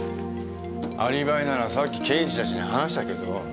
アリバイならさっき刑事たちに話したけど。